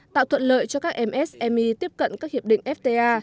tạo thuận lợi cho các msmi tiếp cận các hiệp định fta